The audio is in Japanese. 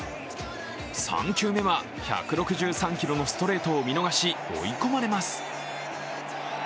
３球目は１６３キロのストレートを見逃し追い込まれます。